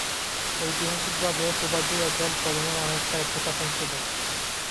ঐতিহাসিকভাবে হুভাডু অ্যাটল প্রধানের অনেক স্বায়ত্তশাসন ছিল।